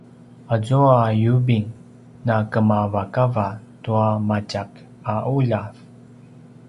azua a yubing nakemavakava tua matjak a ’uljav